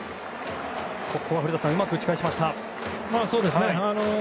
ここは古田さんうまく打ち返しました。